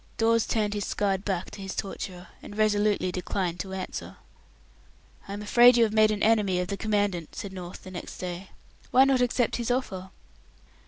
Dawes turned his scarred back to his torturer, and resolutely declined to answer. "I am afraid you have made an enemy of the Commandant," said North, the next day. "Why not accept his offer?"